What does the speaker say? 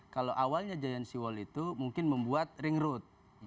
kalau awalnya jnc wall itu mungkin membuat ring road